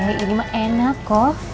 ini mah enak kok